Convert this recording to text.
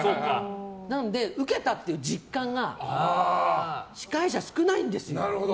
なので、ウケたという実感が司会者は少ないんですよ。